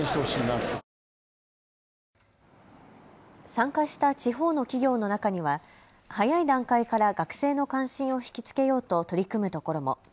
参加した地方の企業の中には早い段階から学生の関心を引き付けようと取り組むところも。